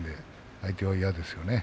相手は嫌ですね。